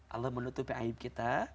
allah menutupi aib kita